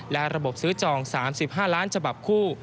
และระบบซื้อจอง๓๕ล้านฉบับคู่